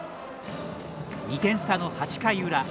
２点差の８回裏。